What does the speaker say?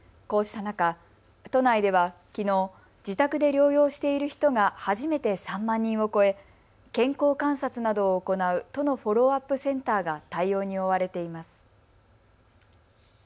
こうした中都内では、きのう自宅で療養している人が初めて３万人を超え健康観察などを行う都のフォローアップセンターが対応に追われています。